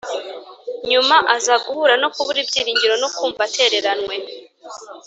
nyuma aza guhura no kubura ibyiringiro no kumva atereranywe